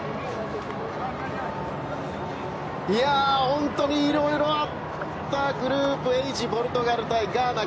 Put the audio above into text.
本当にいろいろあったグループＨポルトガル対ガーナ。